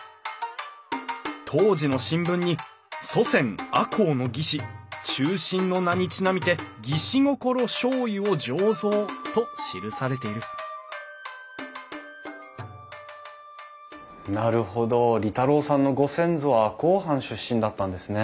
当時の新聞に「祖先赤穂の義士忠臣の名に因みて『義士心』醤油を醸造」と記されているなるほど利太郎さんのご先祖は赤穂藩出身だったんですね。